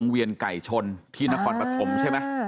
เวียนไก่ชนที่นครปฐมใช่ไหม